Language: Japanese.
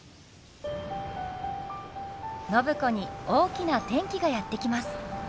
暢子に大きな転機がやって来ます！